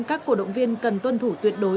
các cổ động viên cần tuân thủ tuyệt đối